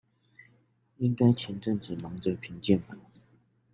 應該前陣子忙著評鑑吧